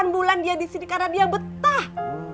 delapan bulan dia disini karena dia betah